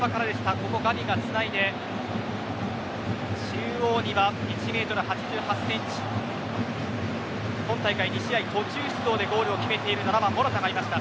ここ、ガヴィがつないで中央には１メートル８８センチ今大会、２試合途中出場でゴールを決めている７番モラタがいました。